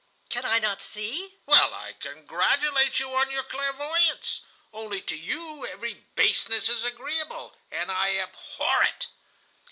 "'Can I not see?' "'Well, I congratulate you on your clairvoyance. Only to you every baseness is agreeable, and I abhor it.